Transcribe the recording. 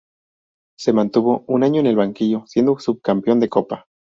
Se mantuvo un año en el banquillo, siendo subcampeón de Copa.